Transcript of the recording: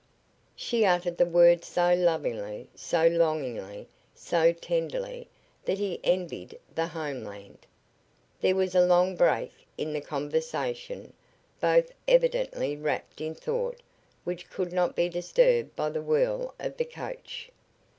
She uttered the word so lovingly, so longingly, so tenderly, that he envied the homeland. There was a long break in the conversation, both evidently wrapped in thought which could not be disturbed by the whirl of the coach.